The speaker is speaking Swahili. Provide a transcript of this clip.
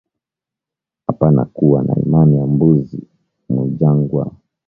Apana kuwa na imani ya mbuzi mu jangwa